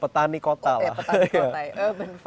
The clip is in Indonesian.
petani kota lah